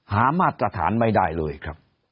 มาตรฐานไม่ได้เลยครับ